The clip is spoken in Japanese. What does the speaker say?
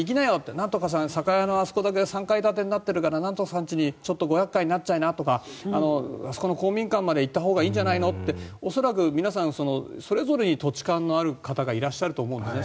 なんとかさん、酒屋のあそこ３階建てになっているからなんとかさんちに厄介になっちゃいなとかあそこの公民館まで行ったほうがいいんじゃないのって恐らく皆さん、それぞれに土地勘のある方がいらっしゃると思うんですね。